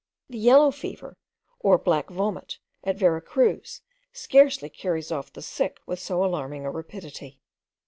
The yellow fever, or black vomit, at Vera Cruz, scarcely carries off the sick with so alarming a rapidity.